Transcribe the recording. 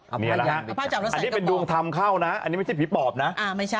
อันนี้เป็นดวงธรรมเข้านะอันนี้ไม่ใช่ผีปอบนะ